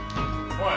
おい！